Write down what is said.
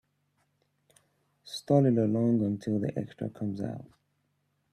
Stall it along until the extra comes out.